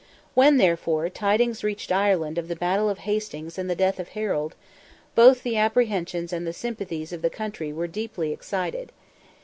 When, therefore, tidings reached Ireland of the battle of Hastings and the death of Harold, both the apprehensions and the sympathies of the country were deeply excited.